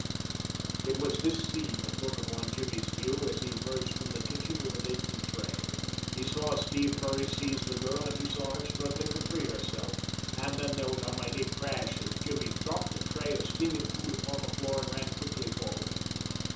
It was this scene that broke upon Jimmy's view as he emerged from the kitchen with a laden tray. He saw Steve Murray seize the girl, and he saw her struggling to free herself, and then there was a mighty crash as Jimmy dropped the tray of steaming food upon the floor and ran quickly forward.